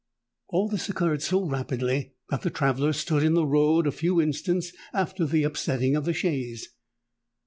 All this occurred so rapidly that the traveller stood in the road a few instants after the upsetting of the chaise.